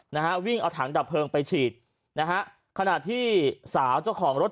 นะฮะวิ่งเอาถังดับเพลิงไปฉีดนะฮะขณะที่สาวเจ้าของรถ